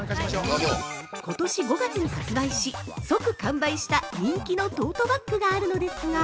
ことし５月に発売し即完売した人気のトートバッグがあるのですが。